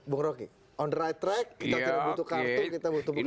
bu rogi on the right track kita tidak butuh kartu kita butuh benda